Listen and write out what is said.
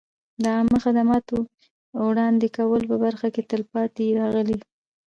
د عامه خدماتو وړاندې کولو په برخه کې پاتې راغلي.